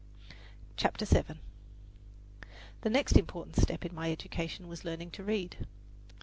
CHAPTER VII The next important step in my education was learning to read.